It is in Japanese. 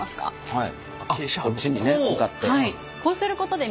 はい。